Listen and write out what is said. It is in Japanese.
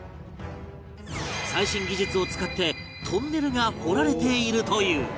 最新技術を使ってトンネルが掘られているという